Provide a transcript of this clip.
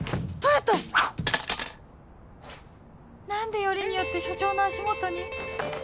何でよりによって署長の足元に